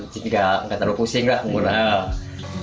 jadi tidak terlalu pusing lah mengurangi